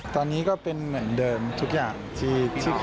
ตอนนี้ก็เป็นเหมือนเดิมทุกอย่างที่เคยคุย